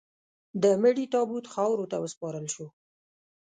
د مړي تابوت خاورو ته وسپارل شو.